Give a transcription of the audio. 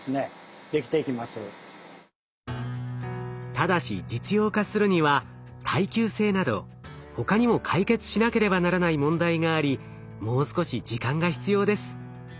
ただし実用化するには耐久性など他にも解決しなければならない問題がありもう少し時間が必要です。